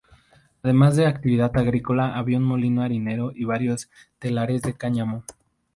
Además de actividad agrícola, había un molino harinero y varios telares de cáñamo.